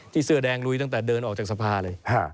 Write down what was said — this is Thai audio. เสื้อแดงลุยตั้งแต่เดินออกจากสภาเลย